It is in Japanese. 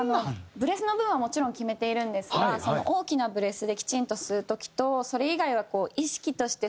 ブレスの部分はもちろん決めているんですが大きなブレスできちんと吸う時とそれ以外はこう。